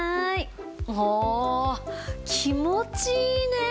おお気持ちいいね。